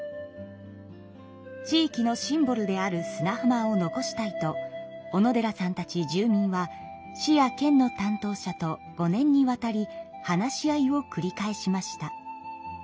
地域のシンボルである砂浜を残したいと小野寺さんたち住民は市や県の担当者と５年にわたり話し合いをくり返しました。